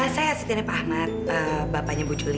saya setidaknya pak ahmad bapaknya bu juli